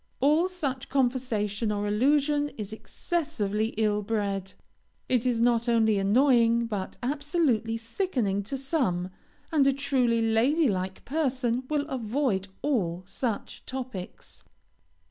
All such conversation or allusion is excessively ill bred. It is not only annoying, but absolutely sickening to some, and a truly lady like person will avoid all such topics.